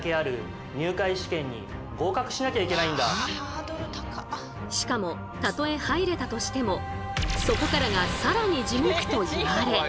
奨励会はしかもたとえ入れたとしてもそこからがさらに地獄といわれ。